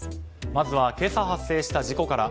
まずは今朝発生した事故から。